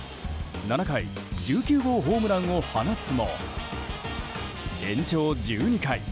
７回、１９号ホームランを放つも延長１２回。